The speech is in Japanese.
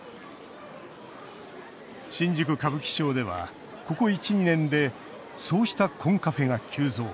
新宿・歌舞伎町ではここ１２年でそうした、コンカフェが急増。